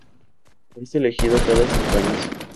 Es elegido cada cinco años.